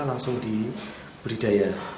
langsung diberi daya